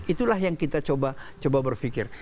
itulah yang kita coba berpikir